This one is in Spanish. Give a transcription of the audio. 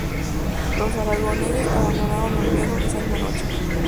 Los aragoneses abandonaron Olmedo esa misma noche.